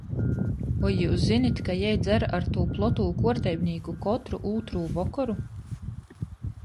Voi jius zinit, ka jei dzer ar tū plotū kuorteibnīku kotru ūtrū vokoru?